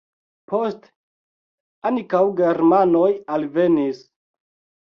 Poste ankaŭ germanoj alvenis.